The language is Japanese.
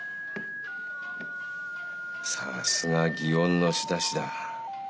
さすが祇園の仕出しだ。